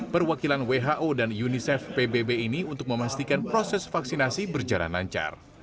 perwakilan who dan unicef pbb ini untuk memastikan proses vaksinasi berjalan lancar